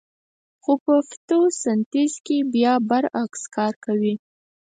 خو په فتوسنتیز کې بیا برعکس کار کوي